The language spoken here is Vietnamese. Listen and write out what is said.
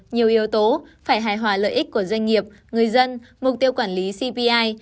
nhiều yếu tố phải hài hòa lợi ích của doanh nghiệp người dân mục tiêu quản lý cpi